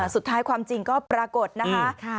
สุดท้ายความจริงก็ปรากฏนะคะ